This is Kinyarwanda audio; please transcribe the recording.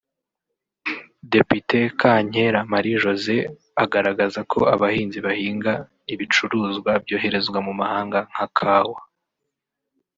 Depite Kankera Marie Josée agaragaza ko abahinzi bahinga ibicuruzwa byoherezwa mu mahanga nka Kawa